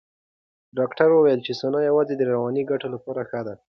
ډاکټره وویل چې سونا یوازې د رواني ګټو لپاره ښه ده.